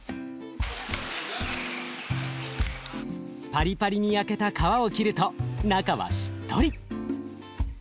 パリパリに焼けた皮を切ると中はしっとり。